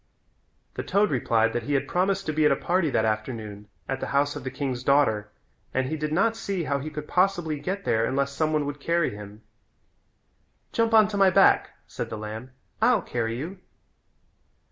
The toad replied that he had promised to be at a party that afternoon at the house of the king's daughter and he did not see how he could possibly get there unless some one would carry him. "Jump on my back," said the lamb. "I'll carry you."